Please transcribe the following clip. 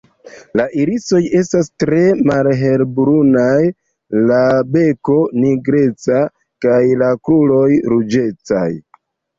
La irisoj estas tre malhelbrunaj, la beko nigreca kaj la kruroj ruĝecaj.